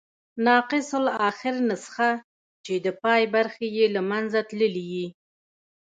ناقص الاخرنسخه، چي د پای برخي ئې له منځه تللي يي.